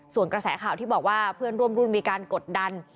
ส่วนกระแสข่าวที่บอกว่าเพื่อนร่วมรุ่นมีการกดดัน